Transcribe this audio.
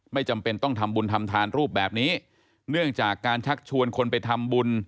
จำเป็นต้องทำบุญทำทานรูปแบบนี้เนื่องจากการชักชวนคนไปทำบุญ